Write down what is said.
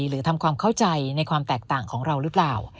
หรือทำความเข้าใจในความแตกต่างของเราหรือเปล่า